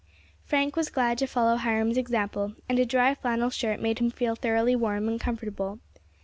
Frank was glad to follow Hiram's example, and a dry flannel shirt made him feel thoroughly warm and comfortable.